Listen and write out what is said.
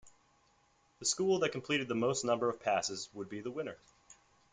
The school that completed the most number of passes would be the winner.